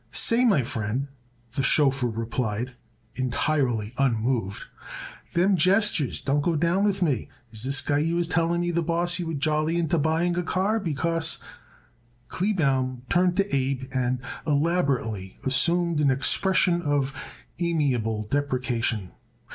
"Say, my friend," the chauffeur replied entirely unmoved, "them gestures don't go down with me. Is this the guy you was telling the boss you would jolly into buying a car, because " Kleebaum turned to Abe and elaborately assumed an expression of amiable deprecation.